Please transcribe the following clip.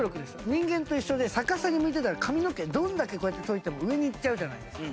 人間と一緒で逆さに向いてたら髪の毛どんだけこうやってといても上にいっちゃうじゃないですか。